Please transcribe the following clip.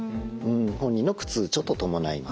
本人の苦痛ちょっと伴います。